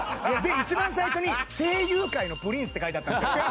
一番最初に「声優界のプリンス」って書いてあったんですよ。